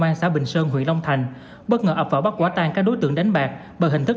an xã bình sơn huyện long thành bất ngờ ập vào bắt quả tan các đối tượng đánh bạc bằng hình thức